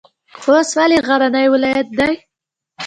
خوست ولې غرنی ولایت دی؟